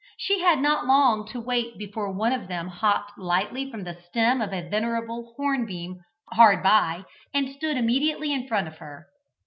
She had not long to wait before one of them hopped lightly from the stem of a venerable hornbeam hard by, and stood immediately in front of her.